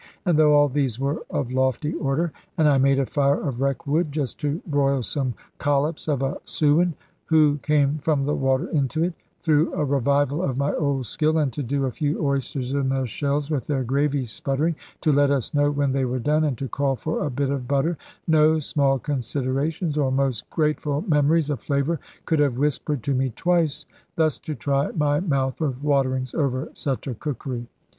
And though all these were of lofty order, and I made a fire of wreck wood (just to broil some collops of a sewin, who came from the water into it, through a revival of my old skill; and to do a few oysters in their shells, with their gravy sputtering, to let us know when they were done, and to call for a bit of butter), no small considerations, or most grateful memories of flavour could have whispered to me twice, thus to try my mouth with waterings over such a cookery.